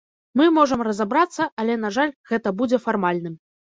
Мы можам разабрацца, але, на жаль, гэта будзе фармальным.